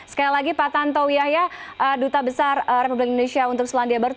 sekali lagi pak tanto wiyahya duta besar republik indonesia untuk selandia baru